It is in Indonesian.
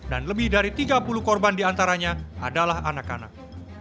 dan lebih dari tiga puluh korban diantaranya adalah anak anak